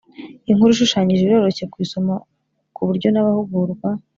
Inkuru ishushanyije iroroshye kuyisoma ku buryo n abahugurwa